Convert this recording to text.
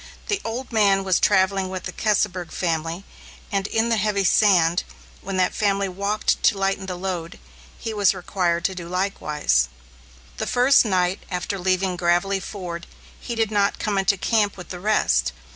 The old man was travelling with the Keseberg family, and, in the heavy sand, when that family walked to lighten the load, he was required to do likewise. The first night after leaving Gravelly Ford, he did not come into camp with the rest.